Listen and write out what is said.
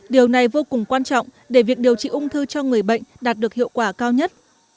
điều này vô cùng quan trọng để việc điều trị ung thư cho người bệnh đạt được hiệu quả cao nhất